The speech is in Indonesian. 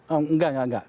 enggak enggak enggak